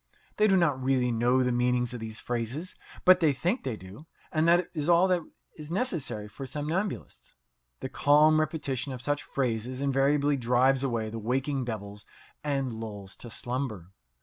They do not really know the meaning of these phrases, but they think they do, and that is all that is necessary for somnambulists. The calm repetition of such phrases invariably drives away the waking devils and lulls to slumber.